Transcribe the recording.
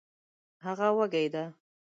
هغه وږې ده